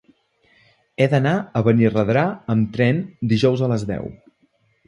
He d'anar a Benirredrà amb tren dijous a les deu.